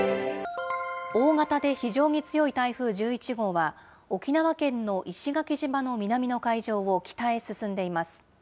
大型で非常に強い台風１１号は、沖縄県の石垣島の南の海上を北へ進んでいます。